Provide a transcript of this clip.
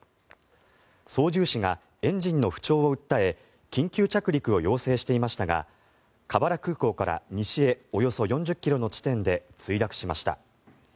操縦士がエンジンの不調を訴え緊急着陸を要請していましたがカバラ空港から西へおよそ４０ｋｍの地点で墜落しました。